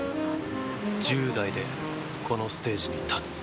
１０代でこのステージに立つ。